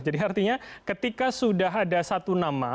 jadi artinya ketika sudah ada satu nama